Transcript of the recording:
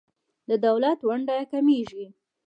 د دولت ونډه کمیږي.